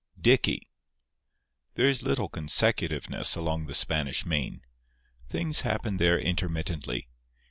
XV DICKY There is little consecutiveness along the Spanish Main. Things happen there intermittently.